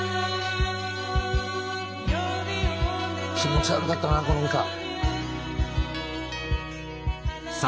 「気持ち悪かったなこの歌」